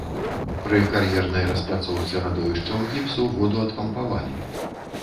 Пры кар'ернай распрацоўцы радовішчаў гіпсу ваду адпампавалі.